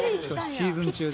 シーズン中で。